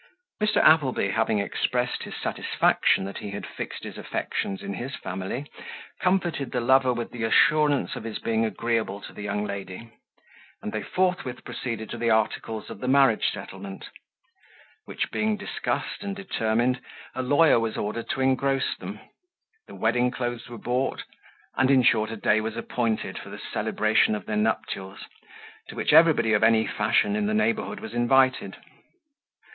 Mr. Appleby, after having expressed his satisfaction that he had fixed his affections in his family, comforted the lover with the assurance of his being agreeable to the young lady; and they forthwith proceeded to the articles of the marriage settlement, which being discussed and determined, a lawyer was ordered to engross them; the wedding clothes were bought, and, in short, a day was appointed for the celebration of their nuptials, to which everybody of any fashion in the neighbourhood was invited.